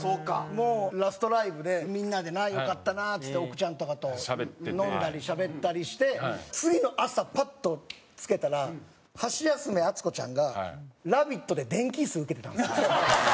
もうラストライブでみんなでなよかったなっつって奥ちゃんとかと飲んだりしゃべったりして次の朝パッとつけたらハシヤスメ・アツコちゃんが『ラヴィット！』で電気イス受けてたんですよ。